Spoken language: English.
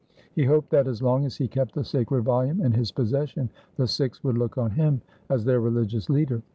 He hoped that, as long as he kept the sacred volume in his possession, the Sikhs would look on him as their religious leader.